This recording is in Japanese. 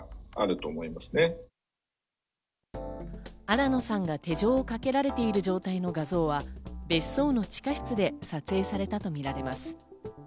新野さんが手錠をかけられている状態の画像は別荘の地下室で撮影されたとみられます。